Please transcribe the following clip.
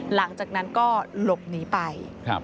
หลังจากนั้นก็หลบหนีไป